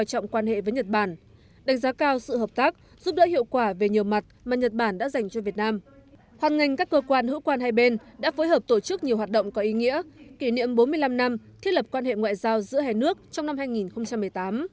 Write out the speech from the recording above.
tổng bí thư chủ tịch nước nguyễn phú trọng đã phối hợp tổ chức nhiều hoạt động có ý nghĩa kỷ niệm bốn mươi năm năm thiết lập quan hệ ngoại giao giữa hai nước trong năm hai nghìn một mươi tám